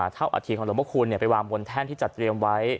เท่าอาทิตย์ของลมคุณไปวางบนแท่นที่จัดเตรียมไว้